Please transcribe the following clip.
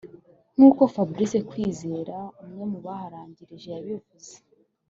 nk’uko Fabrice Kwizera umwe mu baharangije yavuze